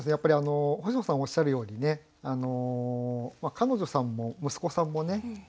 星野さんおっしゃるようにね彼女さんも息子さんもね